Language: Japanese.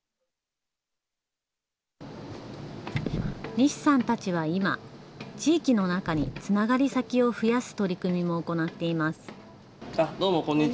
西さんたちは今、地域の中につながり先を増やす取り組みも行っています。